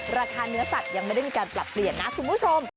ราคาเนื้อสัตว์ยังไม่ได้มีการปรับเปลี่ยนนะคุณผู้ชม